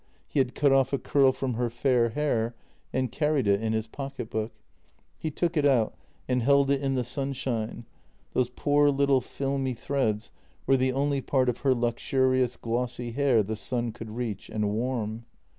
He had cut off a curl from her fair hair and carried it in his pocket book. He took it out and held it in the sunshine — those poor little filmy threads were the only part of her luxurious, glossy hair the sun could reach and warm.